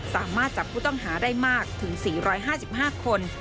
สามารถจับผู้ต้องหาได้มากถึง๔๕๕คน